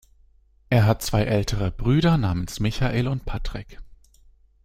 Er hat zwei ältere Brüder namens Michael und Patrick.